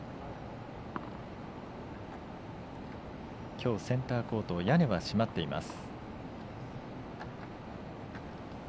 きょうセンターコート屋根は、閉まっています。